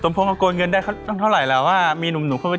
สมพงศ์ก็โกรธเงินได้เท่าไหร่แล้วว่ามีหนุ่มเขาก็หล่เยอะแยะ